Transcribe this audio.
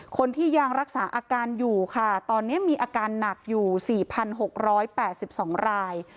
คนที่ยังรักษาอาการอยู่ค่ะตอนนี้มีอาการหนักอยู่๔๖๘๒ราย